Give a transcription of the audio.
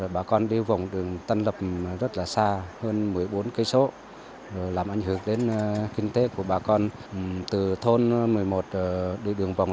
bà con đi vòng đường tân động